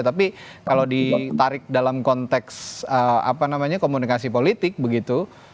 tapi kalau ditarik dalam konteks komunikasi politik begitu